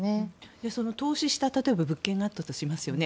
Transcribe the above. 例えば、投資した物件があったとしますよね。